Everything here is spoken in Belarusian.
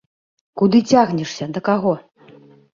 Куды цягнешся, да каго?